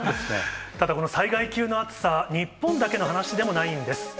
ただこの災害級の暑さ、日本だけの話でもないんです。